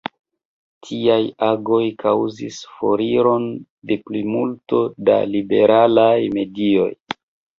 Tiaj agoj kaŭzis foriron de plimulto da liberalaj medioj.